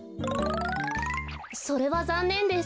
それはざんねんです。